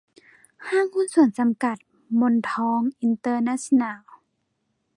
ห้างหุ้นส่วนจำกัด มนทองอินเตอร์เนชั่นแนล